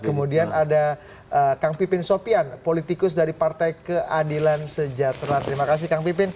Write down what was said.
kemudian ada kang pipin sopian politikus dari partai keadilan sejahtera terima kasih kang pipin